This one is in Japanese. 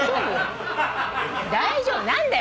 大丈夫よ！